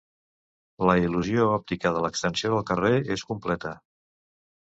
La il·lusió òptica de l'extensió del carrer és completa.